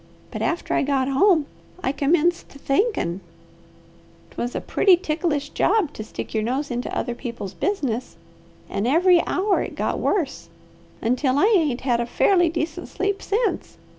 But after I got home I commenced thinkin' 'twas a pretty ticklish job to stick your nose into other people's business, an' every hour it got worse, until I ain't had a fairly decent sleep since.